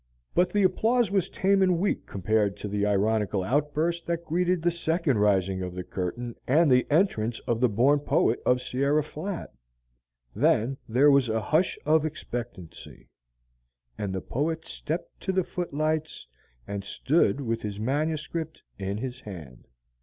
But the applause was tame and weak compared to the ironical outburst that greeted the second rising of the curtain and the entrance of the born poet of Sierra Flat. Then there was a hush of expectancy, and the poet stepped to the foot lights and stood with his manuscript in his hand.